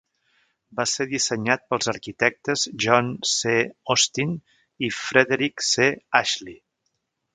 Va ser dissenyat pels arquitectes John C. Austin i Frederick C. Ashley.